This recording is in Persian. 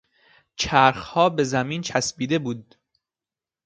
چرخها به زمین چسبیده بود.